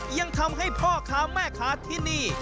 ยังทำให้พ่อค้าแม่ค้าที่นี่